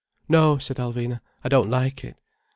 "No," said Alvina. "I don't like it."